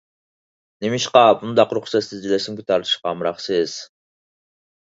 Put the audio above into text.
نېمىشقا بۇنداق رۇخسەتسىز رەسىمگە تارتىشقا ئامراقسىز؟